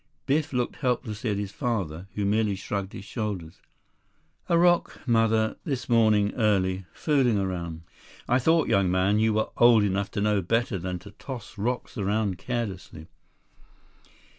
Biff looked helplessly at his father, who merely shrugged his shoulders. "A rock, Mother. This morning, early. Fooling around...." "I thought, young man, you were old enough to know better than to toss rocks around carelessly."